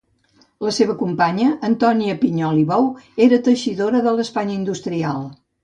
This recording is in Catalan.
La seva companya, Antònia Pinyol i Bou, era teixidora de l'Espanya Industrial.